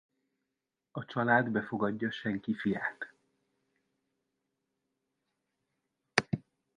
A család befogadja Senki Fiát.